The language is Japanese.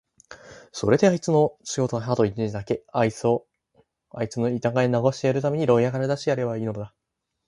それでおれの仕事はあと一日だけ、あいつをあいつの田舎へ逃してやるために牢屋から出してやればいいのだ。